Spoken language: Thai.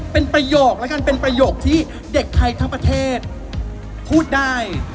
เป็นประโยคแล้วกันเป็นประโยคที่เด็กไทยทั้งประเทศพูดได้